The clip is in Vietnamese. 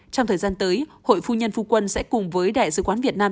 trong thời gian tới hội phu nhân phu quân sẽ cùng với đại sứ quán việt nam